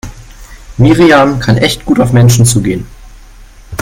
Miriam kann echt gut auf Menschen zugehen.